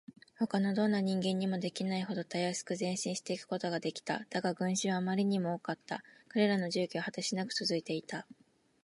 ほかのどんな人間にもできないほどたやすく前進していくことができた。だが、群集はあまりにも多かった。彼らの住居は果てしなくつづいていた。